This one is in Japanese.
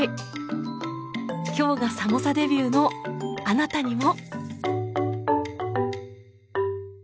今日がサモサデビューのあなたにも。